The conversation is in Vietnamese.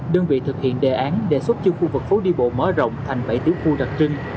đơn vị thực hiện đề án đề xuất cho khu vực phố đi bộ mở rộng thành bảy tiểu khu đặc trưng